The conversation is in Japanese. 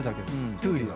トゥーリオ。